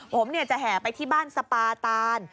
ผมจะแห่ไปที่บ้านสปาตาน